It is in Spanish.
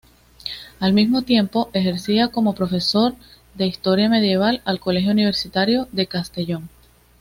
Al mismo tiempo, ejercía como profesor de Historia Medieval al Colegio Universitario de Castellón.